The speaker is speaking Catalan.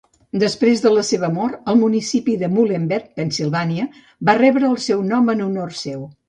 Després de la seva mort, el municipi de Muhlenberg, Pennsilvània, va rebre el seu nom en honor seu.